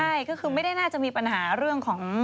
ใช่ก็คือไม่ได้น่าจะมีปัญหาเรื่องของ